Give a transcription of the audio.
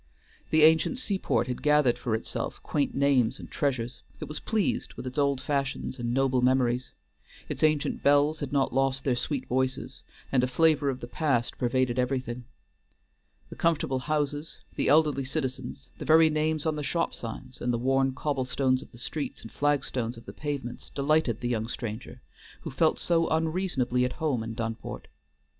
The ancient seaport had gathered for itself quaint names and treasures; it was pleased with its old fashions and noble memories; its ancient bells had not lost their sweet voices, and a flavor of the past pervaded everything. The comfortable houses, the elderly citizens, the very names on the shop signs, and the worn cobblestones of the streets and flagstones of the pavements, delighted the young stranger, who felt so unreasonably at home in Dunport.